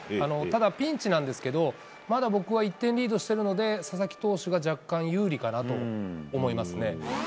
ただ、ピンチなんですけど、まだ僕は１点リードしてるので、佐々木投手が若干、有利かなと思いますね。